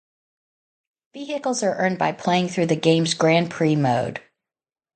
Vehicles are earned by playing through the game's Grand Prix mode.